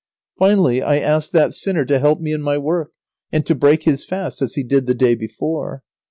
Finally, I asked that sinner to help me in my work, and to break his fast as he did the day before.